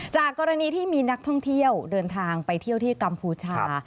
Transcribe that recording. จากกรณีที่มีนักท่องเที่ยวเดินทางไปเที่ยวที่กัมพูชา